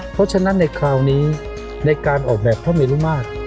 เพราะฉะนั้นในคราวนี้ในการออกแบบพระเมรุมาตร